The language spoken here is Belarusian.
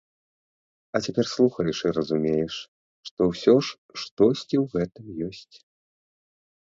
А цяпер слухаеш і разумееш, што ўсё ж штосьці ў гэтым ёсць.